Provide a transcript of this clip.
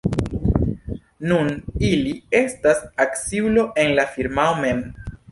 Nun ili estas akciulo en la firmao mem.